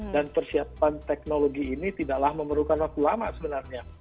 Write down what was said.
dan persiapan teknologi ini tidaklah memerlukan waktu lama sebenarnya